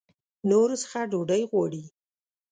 نورو څخه ډوډۍ غواړي.